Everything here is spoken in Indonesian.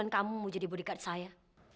kamu mau jadi bodyguard saya